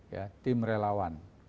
ya tim relawan